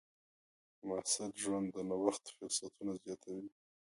د محصل ژوند د نوښت فرصتونه زیاتوي.